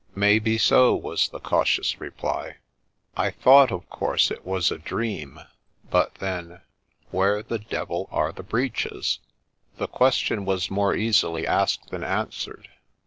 ' May be so,' was the cautious reply. ' I thought, of course, it was a dream ; but then — where the d — 1 are the breeches ?' The question was more easily asked than answered.